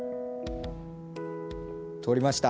通りました。